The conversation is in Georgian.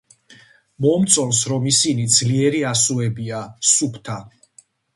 მომწონს რომ ისინი ძლიერი ასოებია, სუფთა.